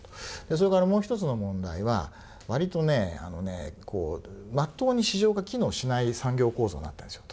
それから、もう一つの問題はまっとうに市場が機能しない産業構造になってるんですよ。